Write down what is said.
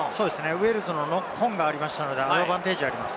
ウェールズのノックオンがありましたので、アドバンテージがあります。